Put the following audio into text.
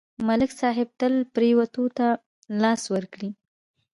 ملک صاحب تل پرېوتو ته لاس ورکړی.